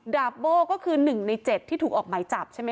ดาบโบก็คือหนึ่งในเจ็ดที่ถูกออกไหมจับ